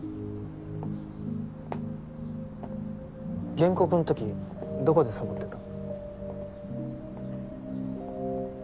現国の時どこでサボってた？